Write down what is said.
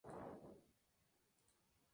En la parte posterior, el ábside es poligonal.